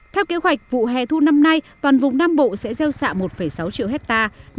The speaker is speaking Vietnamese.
theo kế hoạch vụ hè thu năm nay toàn vùng nam bộ sẽ gieo xạ một sáu triệu hectare